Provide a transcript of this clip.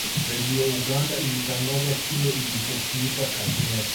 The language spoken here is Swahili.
Redio Uganda ilitangaza kile ilichokiita Kagera